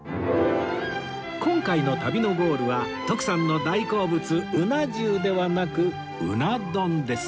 今回の旅のゴールは徳さんの大好物うな重ではなくうな丼です